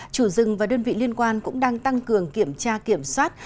chủ rừng và đơn vị liên quan cũng đang tăng cường kiểm tra kiểm soát